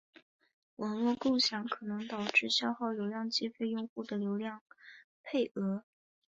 网络共享可能导致消耗流量计费用户的流量配额。